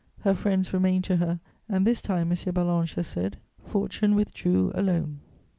Her friends remained to her, "and this time," M. Ballanche has said, "fortune withdrew alone."